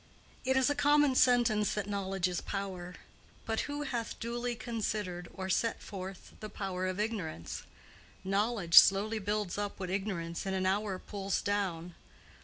It is a common sentence that Knowledge is power; but who hath duly considered or set forth the power of Ignorance? Knowledge slowly builds up what Ignorance in an hour pulls down.